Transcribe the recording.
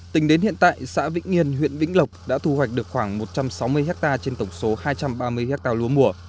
tính đến hiện tại xã vĩnh nghiên huyện vĩnh lộc đã thu hoạch được khoảng một trăm sáu mươi hectare trên tổng số hai trăm ba mươi hectare lúa mùa